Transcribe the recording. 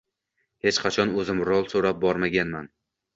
Hech qachon o‘zim rol so‘rab bormaganman.